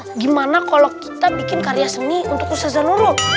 wah gimana kalau kita bikin karya seni untuk ustaz zanuruh